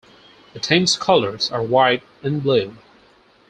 The team's colours are white and blue.